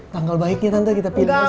tanggal baiknya tante kita pilih aja ya